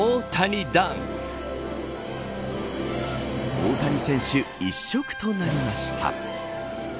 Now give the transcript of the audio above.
大谷選手、一色となりました。